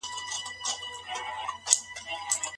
خپل مهم ژوند په مينه او سخاوت سره څنګه پيل کړئ؟